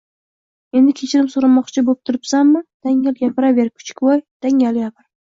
– Endi kechirim so‘ramoqchi bo‘pturibsanmi? Dangal gapiraver, kuchukvoy, dangal gapir